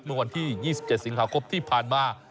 เมื่อวันที่๒๗สิงหาคมที่ผ่านมา